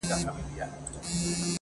رشتیا خبري یا مست کوي یا لني -